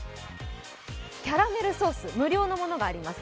キャラメルソース、無料のものがあります。